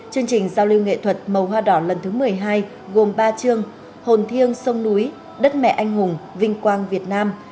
chương trình giao lưu nghệ thuật màu hoa đỏ lần thứ một mươi hai gồm ba chương hồn thiêng sông núi đất mẹ anh hùng vinh quang việt nam